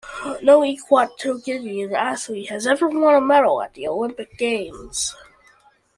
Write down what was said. No Equatoguinean athlete has ever won a medal at the Olympic Games.